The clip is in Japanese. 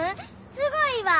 すごいわ！